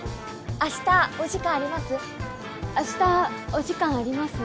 明日お時間あります？